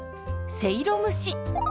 せいろ蒸し。